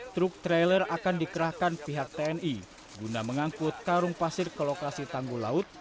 truk trailer akan dikerahkan pihak tni guna mengangkut karung pasir ke lokasi tanggul laut